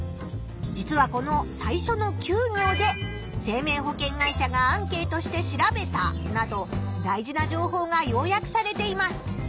実はこの最初の９行で「生命保険会社がアンケートして調べた」など大事な情報が要約されています。